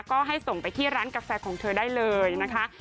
ก็ให้ส่งไปที่ร้านกาแฟของเธอได้เลยนะคะ